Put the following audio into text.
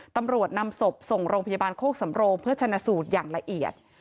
ตำรวจนำศพส่งโรงพยาบาลโคกสำโรงเพื่อชนะสูตรอย่างละเอียด